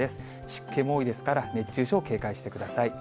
湿気も多いですから、熱中症警戒してください。